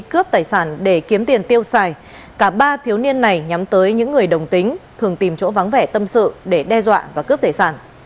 các thiếu niên này nhắm tới những người đồng tính thường tìm chỗ vắng vẻ tâm sự để đe dọa và cướp thể sản